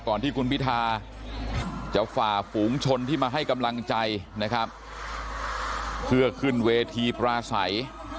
ที่คุณพิทาจะฝ่าฝูงชนที่มาให้กำลังใจนะครับเพื่อขึ้นเวทีปราศัย